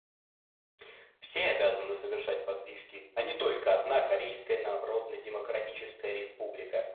Все обязаны совершать подвижки, а не только одна Корейская Народно-Демократическая Республика.